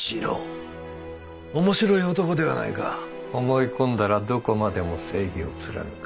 思い込んだらどこまでも正義を貫く。